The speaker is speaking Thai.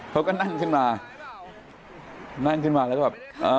เพราะเขานั่นขึ้นมาแล้วแบบ